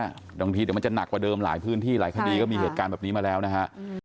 บางทีเดี๋ยวมันจะหนักกว่าเดิมหลายพื้นที่หลายคดีก็มีเหตุการณ์แบบนี้มาแล้วนะฮะ